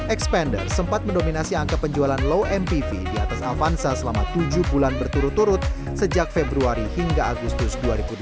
expander sempat mendominasi angka penjualan low mpv di atas avanza selama tujuh bulan berturut turut sejak februari hingga agustus dua ribu delapan belas